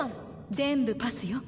全部パスよ